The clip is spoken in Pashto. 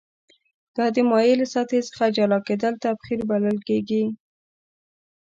دا د مایع له سطحې څخه جلا کیدل تبخیر بلل کیږي.